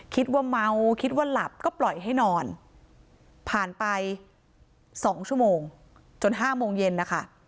คิดว่าเมาคิดว่าหลับก็ปล่อยให้นอนผ่านไป๒ชั่วโมงจน๕โมงเย็นนะคะ